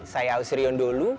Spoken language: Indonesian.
saya auserion dulu